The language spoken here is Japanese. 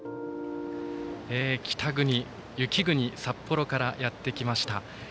雪国・札幌からやってきました。